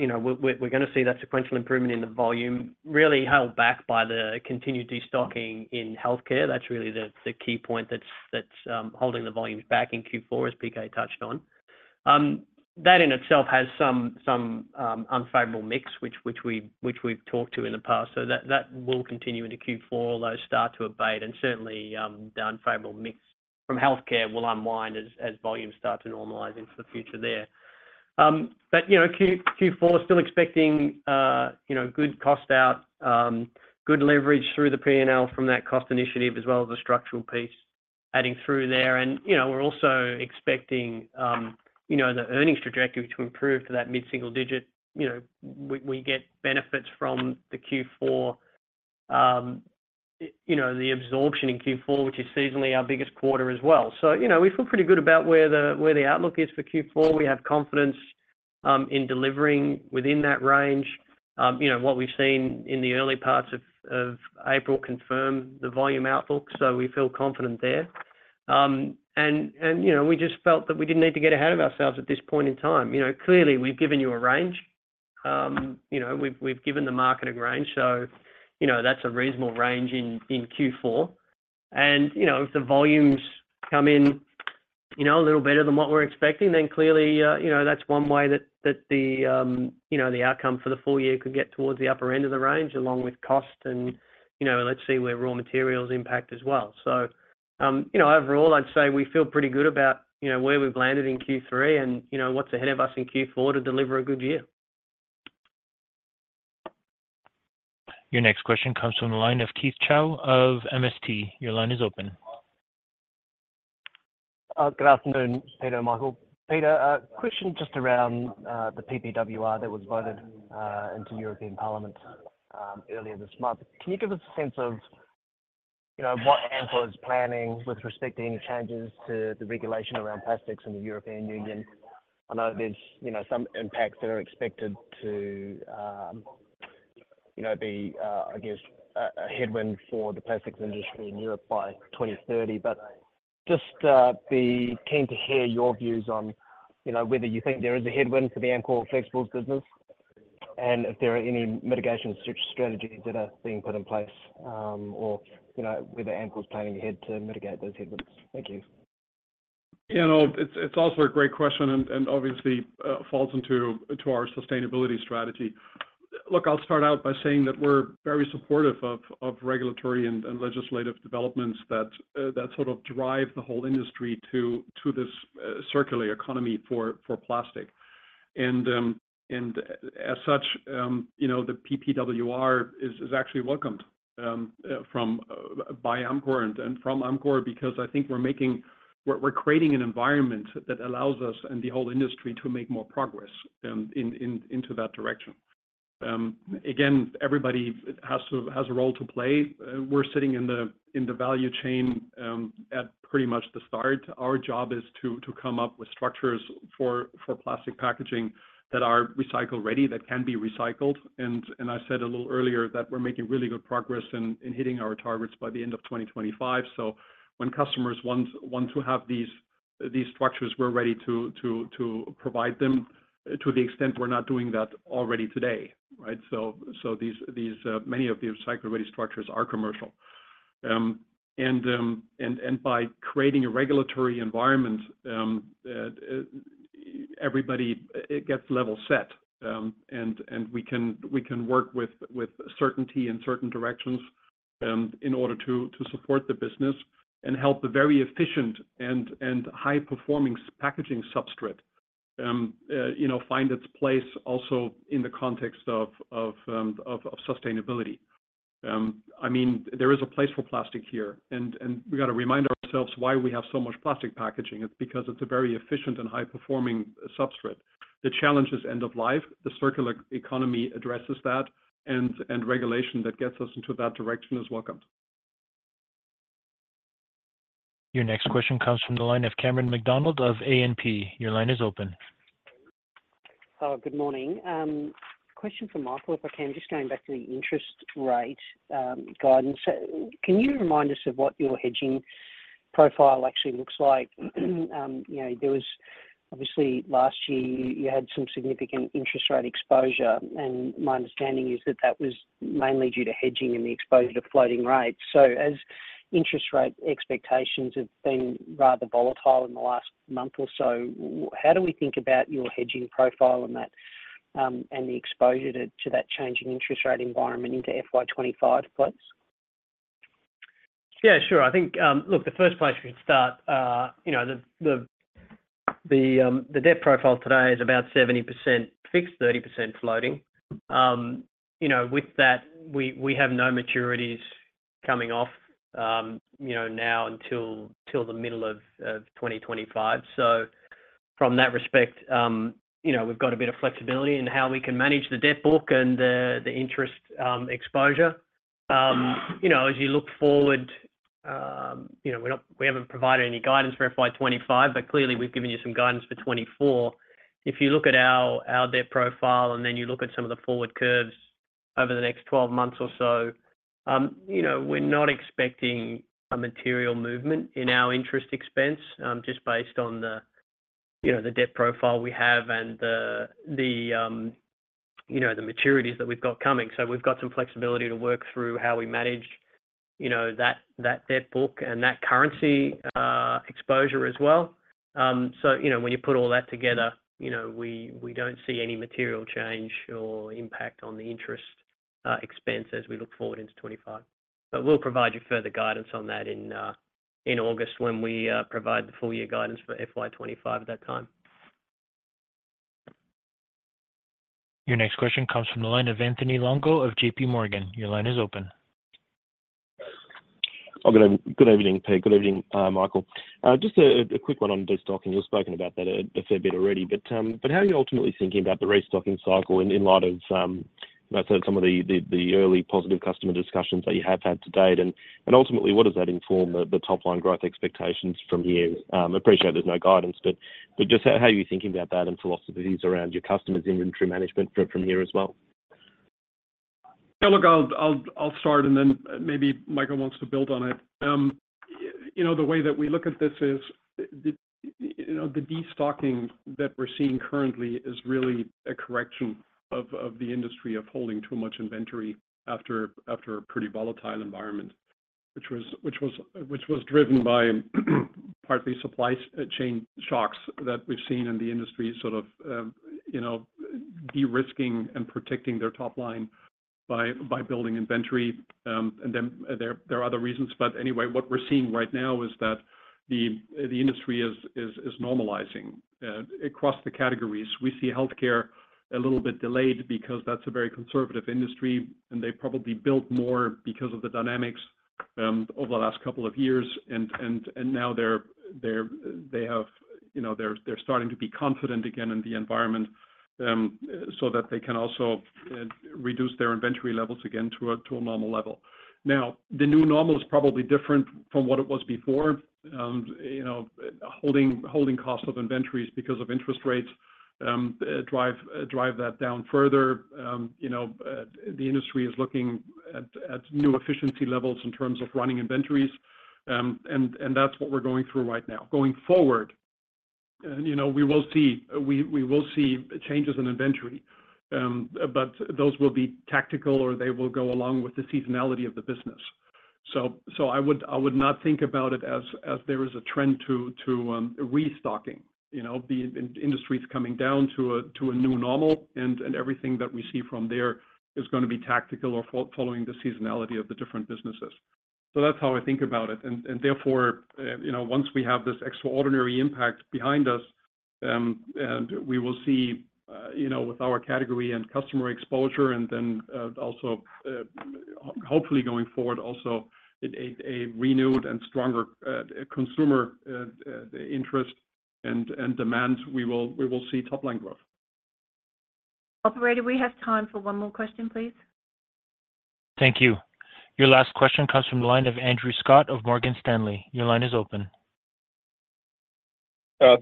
you know, we're gonna see that sequential improvement in the volume really held back by the continued destocking in healthcare. That's really the key point that's holding the volumes back in Q4, as PK touched on. That in itself has some unfavorable mix, which we've talked to in the past. So that will continue into Q4. All those start to abate. And certainly, the unfavorable mix from healthcare will unwind as volumes start to normalize into the future there. But, you know, Q4, still expecting, you know, good cost out, good leverage through the P&L from that cost initiative as well as the structural piece adding through there. And, you know, we're also expecting, you know, the earnings trajectory to improve to that mid-single digit. You know, we get benefits from the Q4, you know, the absorption in Q4, which is seasonally our biggest quarter as well. So, you know, we feel pretty good about where the outlook is for Q4. We have confidence in delivering within that range. You know, what we've seen in the early parts of April confirmed the volume outlook. So we feel confident there. And, you know, we just felt that we didn't need to get ahead of ourselves at this point in time. You know, clearly, we've given you a range. You know, we've given the market a range. So, you know, that's a reasonable range in Q4. And, you know, if the volumes come in, you know, a little better than what we're expecting, then clearly, you know, that's one way that the, you know, the outcome for the full year could get towards the upper end of the range along with cost. And, you know, let's see where raw materials impact as well. So, you know, overall, I'd say we feel pretty good about, you know, where we've landed in Q3 and, you know, what's ahead of us in Q4 to deliver a good year. Your next question comes from the line of Keith Chau of MST. Your line is open. Good afternoon, Peter and Michael. Peter, question just around the PPWR that was voted into European Parliament earlier this month. Can you give us a sense of, you know, what Amcor is planning with respect to any changes to the regulation around plastics in the European Union? I know there's, you know, some impacts that are expected to, you know, be, I guess, a headwind for the plastics industry in Europe by 2030. But just be keen to hear your views on, you know, whether you think there is a headwind for the Amcor Flexibles business and if there are any mitigation strategies that are being put in place, or, you know, whether Amcor's planning ahead to mitigate those headwinds. Thank you. Yeah. No, it's also a great question and obviously falls into our sustainability strategy. Look, I'll start out by saying that we're very supportive of regulatory and legislative developments that sort of drive the whole industry to this circular economy for plastic. And as such, you know, the PPWR is actually welcomed by Amcor and from Amcor because I think we're creating an environment that allows us and the whole industry to make more progress into that direction. Again, everybody has to have a role to play. We're sitting in the value chain at pretty much the start. Our job is to come up with structures for plastic packaging that are recycle-ready, that can be recycled. And I said a little earlier that we're making really good progress in hitting our targets by the end of 2025. So when customers want to have these structures, we're ready to provide them to the extent we're not doing that already today, right? So many of the recycle-ready structures are commercial. And by creating a regulatory environment, everybody gets level set. And we can work with certainty in certain directions, in order to support the business and help the very efficient and high-performing packaging substrate, you know, find its place also in the context of sustainability. I mean, there is a place for plastic here. And we gotta remind ourselves why we have so much plastic packaging. It's because it's a very efficient and high-performing substrate. The challenge is end of life. The circular economy addresses that. And regulation that gets us into that direction is welcomed. Your next question comes from the line of Cameron McDonald of E&P. Your line is open. Good morning. Question for Michael, if I can, just going back to the interest rate guidance. Can you remind us of what your hedging profile actually looks like? You know, there was obviously, last year, you had some significant interest rate exposure. And my understanding is that that was mainly due to hedging and the exposure to floating rates. So as interest rate expectations have been rather volatile in the last month or so, how do we think about your hedging profile and that, and the exposure to that changing interest rate environment into FY 2025, please? Yeah. Sure. I think, look, the first place we should start, you know, the debt profile today is about 70% fixed, 30% floating. You know, with that, we have no maturities coming off, you know, now until the middle of 2025. So from that respect, you know, we've got a bit of flexibility in how we can manage the debt book and the interest exposure. You know, as you look forward, you know, we're not, we haven't provided any guidance for FY 2025, but clearly, we've given you some guidance for 2024. If you look at our debt profile and then you look at some of the forward curves over the next 12 months or so, you know, we're not expecting a material movement in our interest expense, just based on the debt profile we have and the maturities that we've got coming. So we've got some flexibility to work through how we manage, you know, that debt book and that currency exposure as well. So, you know, when you put all that together, you know, we don't see any material change or impact on the interest expense as we look forward into 2025. But we'll provide you further guidance on that in August when we provide the full-year guidance for FY 2025 at that time. Your next question comes from the line of Anthony Longo of JPMorgan. Your line is open. Oh, good evening. Good evening, Pete. Good evening, Michael. Just a quick one on destocking. You've spoken about that a fair bit already. But how are you ultimately thinking about the restocking cycle in light of, you know, sort of some of the early positive customer discussions that you have had to date? And ultimately, what does that inform the top-line growth expectations from here? I appreciate there's no guidance, but just how are you thinking about that and philosophies around your customers' inventory management from here as well? Yeah. Look, I'll start, and then maybe Michael wants to build on it. You know, the way that we look at this is, you know, the destocking that we're seeing currently is really a correction of the industry of holding too much inventory after a pretty volatile environment, which was driven by partly supply chain shocks that we've seen in the industry sort of, you know, derisking and protecting their top line by building inventory. And then there are other reasons. But anyway, what we're seeing right now is that the industry is normalizing across the categories. We see healthcare a little bit delayed because that's a very conservative industry. And they probably built more because of the dynamics over the last couple of years. Now they're starting to be confident again in the environment, so that they can also reduce their inventory levels again to a normal level. Now, the new normal is probably different from what it was before. You know, holding cost of inventories because of interest rates drive that down further. You know, the industry is looking at new efficiency levels in terms of running inventories. And that's what we're going through right now. Going forward, you know, we will see changes in inventory, but those will be tactical, or they will go along with the seasonality of the business. So I would not think about it as there is a trend to restocking, you know, the industry's coming down to a new normal. Everything that we see from there is gonna be tactical or following the seasonality of the different businesses. So that's how I think about it. And therefore, you know, once we have this extraordinary impact behind us, and we will see, you know, with our category and customer exposure and then, also, hopefully going forward also, a renewed and stronger consumer interest and demand, we will see top-line growth. Operator, we have time for one more question, please. Thank you. Your last question comes from the line of Andrew Scott of Morgan Stanley. Your line is open.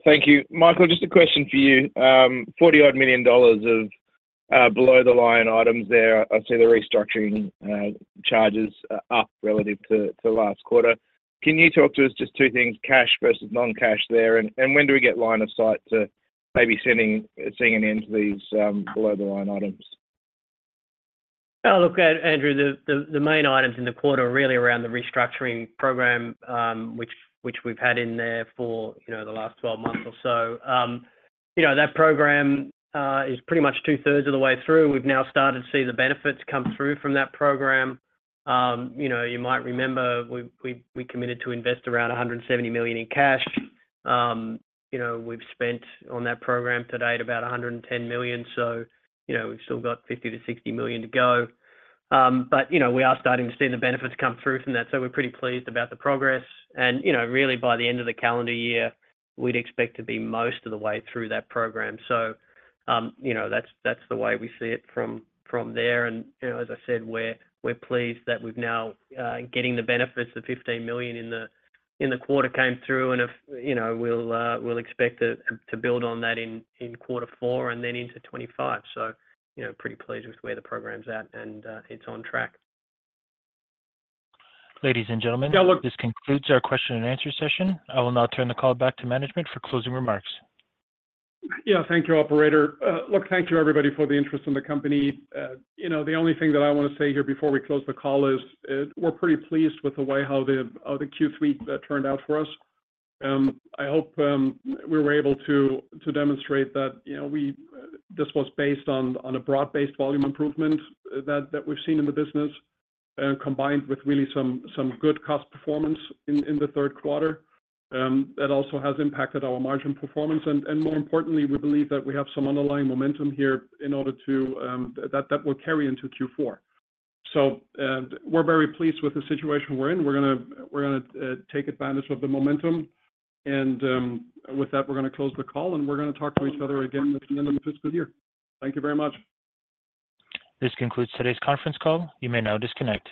Thank you. Michael, just a question for you. $40-odd million of below-the-line items there. I, I see the restructuring charges up relative to last quarter. Can you talk to us just two things, cash versus non-cash there? And when do we get line of sight to maybe seeing an end to these below-the-line items? Yeah. Look, Andrew, the main items in the quarter are really around the restructuring program, which we've had in there for, you know, the last 12 months or so. You know, that program is pretty much two-thirds of the way through. We've now started to see the benefits come through from that program. You know, you might remember we committed to invest around $170 million in cash. You know, we've spent on that program to date about $110 million. So, you know, we've still got $50 million-$60 million to go. But, you know, we are starting to see the benefits come through from that. So we're pretty pleased about the progress. And, you know, really, by the end of the calendar year, we'd expect to be most of the way through that program. So, you know, that's the way we see it from there. And, you know, as I said, we're pleased that we've now getting the benefits. The $15 million in the quarter came through. And, you know, we'll expect to build on that in quarter four and then into 2025. So, you know, pretty pleased with where the program's at. And, it's on track. Ladies and gentlemen. Yeah. Look. This concludes our question and answer session. I will now turn the call back to management for closing remarks. Yeah. Thank you, Operator. Look, thank you, everybody, for the interest in the company. You know, the only thing that I wanna say here before we close the call is, we're pretty pleased with the way the Q3 turned out for us. I hope we were able to demonstrate that, you know, this was based on a broad-based volume improvement that we've seen in the business, combined with really some good cost performance in the third quarter. That also has impacted our margin performance. And more importantly, we believe that we have some underlying momentum here that will carry into Q4. So, we're very pleased with the situation we're in. We're gonna take advantage of the momentum. And with that, we're gonna close the call. We're gonna talk to each other again at the end of the fiscal year. Thank you very much. This concludes today's conference call. You may now disconnect.